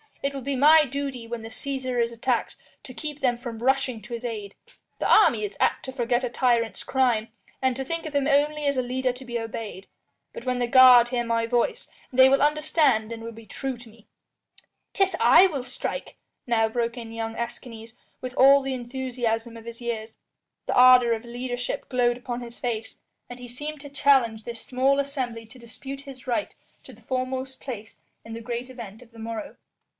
It will be my duty when the Cæsar is attacked to keep them from rushing to his aid. The army is apt to forget a tyrant's crime, and to think of him only as a leader to be obeyed. But when the guard hear my voice, they will understand and will be true to me." "'Tis I will strike," now broke in young Escanes, with all the enthusiasm of his years. The ardour of leadership glowed upon his face, and he seemed to challenge this small assembly to dispute his right to the foremost place in the great event of the morrow.